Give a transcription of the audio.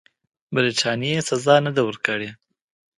برټانیې سزا نه ده ورکړې.